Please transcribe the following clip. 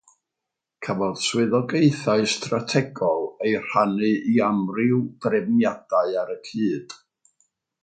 Cafodd swyddogaethau strategol eu rhannu i amryw drefniadau ar y cyd.